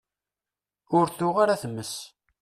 Ur tuɣ ara tmes.